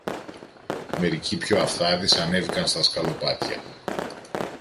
Μερικοί πιο αυθάδεις ανέβηκαν στα σκαλοπάτια